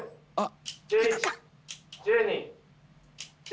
あっ！